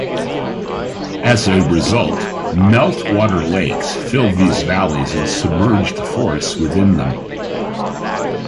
As a result, meltwater lakes filled these valleys and submerged forests within them.